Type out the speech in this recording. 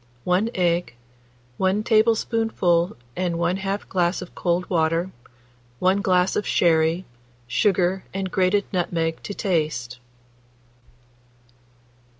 1 egg, 1 tablespoonful and 1/2 glass of cold water, 1 glass of sherry, sugar and grated nutmeg to taste.